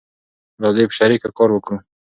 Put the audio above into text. راځی په شریکه کار وکړو